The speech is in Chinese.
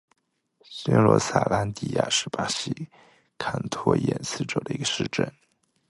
新罗萨兰迪亚是巴西托坎廷斯州的一个市镇。